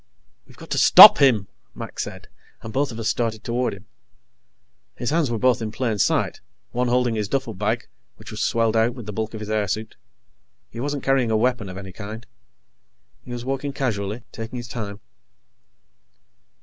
"We've got to stop him," Mac said, and both of us started toward him. His hands were both in plain sight, one holding his duffelbag, which was swelled out with the bulk of his airsuit. He wasn't carrying a weapon of any kind. He was walking casually, taking his time.